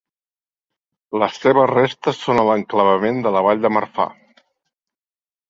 Les seves restes són a l'enclavament de la vall de Marfà.